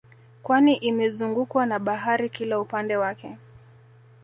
Kwani imezungukwa na bahari kila upande wake